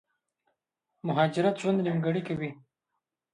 مهاجرت ژوند نيمګړی کوي